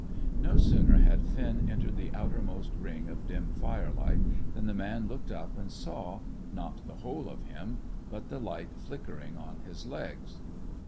No sooner had Finn entered the outermost ring of dim firelight than the man looked up and saw, not the whole of him, but the light flickering on his legs.